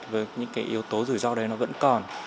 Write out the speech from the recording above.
với những yếu tố rủi ro đấy vẫn còn